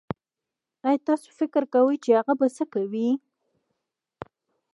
ايا تاسو فکر کوي چې هغه به سه کوئ